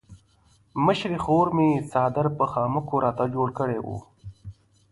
مشرې خور مې څادر په خامکو راته جوړ کړی وو.